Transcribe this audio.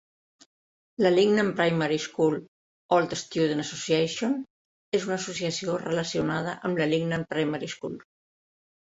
La Lingnan Primary School Old Student Association és una associació relacionada amb la Lingnan Primary School.